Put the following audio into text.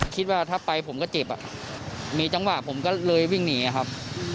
คิดว่าถ้าไปผมก็เจ็บมีจังหวะผมก็เลยวิ่งหนีครับ